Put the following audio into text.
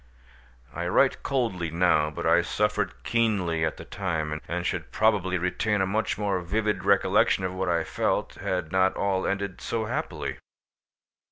I write coldly now, but I suffered keenly at the time, and should probably retain a much more vivid recollection of what I felt, had not all ended so happily.